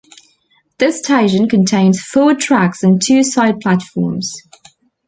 This station contains four tracks and two side platforms.